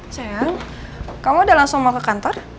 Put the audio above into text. sayang kamu udah langsung mau ke kantor